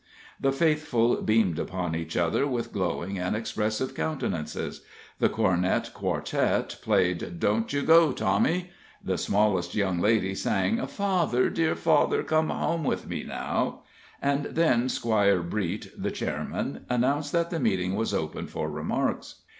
The faithful beamed upon each other with glowing and expressive countenances; the Cornet Quartette played "Don't you go, Tommy"; the smallest young lady sang "Father, dear father, come Home with me Now"; and then Squire Breet, the Chairman, announced that the meeting was open for remarks.